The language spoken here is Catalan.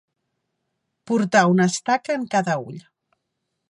Portar una estaca en cada ull.